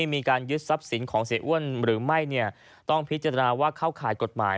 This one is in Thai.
มีการยึดทรัพย์สินของเสียอ้วนหรือไม่ต้องพิจารณาว่าเข้าข่ายกฎหมาย